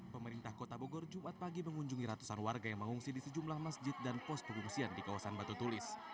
pemerintah kota bogor jumat pagi mengunjungi ratusan warga yang mengungsi di sejumlah masjid dan pos pengungsian di kawasan batu tulis